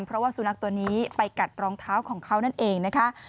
เพราะว่าสุนัขตัวนี้ไปกัดรองเท้าของเขานั่นเองนะคะ